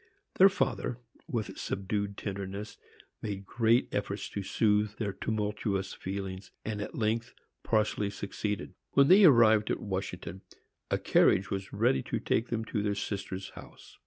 Their father, with subdued tenderness, made great efforts to soothe their tumultuous feelings, and at length partially succeeded. When they arrived at Washington, a carriage was ready to take them to their sister's house.